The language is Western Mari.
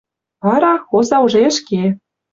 Вара — хоза уже ӹшке.